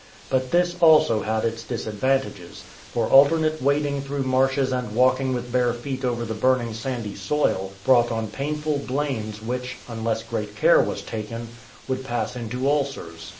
But this also had its disadvantages, for alternate wading through marshes and walking with bare feet over the burning sandy soil brought on painful blains which, unless great care was taken, would pass into ulcers.